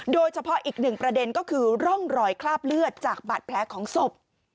โดยเฉพาะอีกหนึ่งประเด็นก็คือร่องรอยคราบเลือดจากบาดแผลของศพ